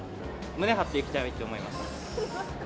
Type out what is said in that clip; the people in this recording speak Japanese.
胸張っていきたいと思います。